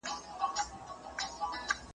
د نارنج ګل به پرننګرهار وي .